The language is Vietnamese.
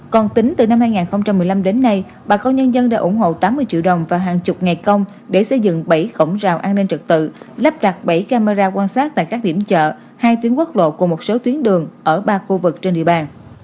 còn tính từ năm hai nghìn một mươi năm đến nay bà con nhân dân đã ủng hộ tám mươi triệu đồng và hàng chục ngày công để xây dựng bảy cổng rào an ninh trực tự lắp đặt bảy camera quan sát tại các điểm chợ hai tuyến quốc lộ cùng một số tuyến đường ở ba khu vực trên địa bàn